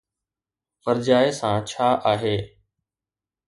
ورجائي سان ڇا آهي؟